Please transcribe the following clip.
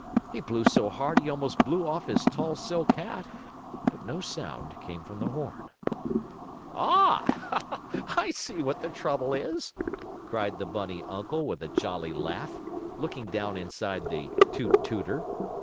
He blew so hard he almost blew off his tall silk hat, but no sound came from the horn. "Ah, I see what the trouble is!" cried the bunny uncle with a jolly laugh, looking down inside the "toot tooter."